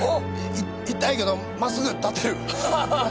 痛いけど真っすぐ立てる！